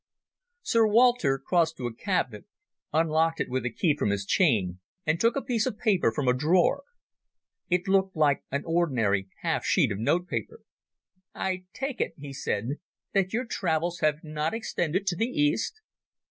Sir Walter crossed to a cabinet, unlocked it with a key from his chain, and took a piece of paper from a drawer. It looked like an ordinary half sheet of note paper. "I take it," he said, "that your travels have not extended to the East."